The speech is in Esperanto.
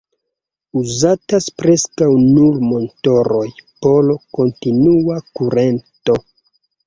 Uzatas preskaŭ nur motoroj por kontinua kurento.